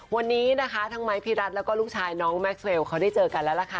วันนี้นะคะทั้งไม้พี่รัฐแล้วก็ลูกชายน้องแม็กเรลเขาได้เจอกันแล้วล่ะค่ะ